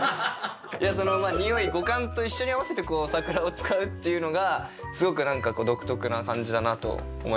「匂い」五感と一緒に合わせて「桜」を使うっていうのがすごく独特な感じだなと思いましたね。